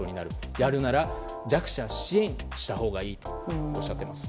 やるなら弱者支援したほうがいいとおっしゃっています。